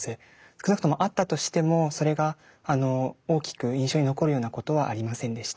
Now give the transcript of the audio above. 少なくともあったとしてもそれが大きく印象に残るようなことはありませんでした。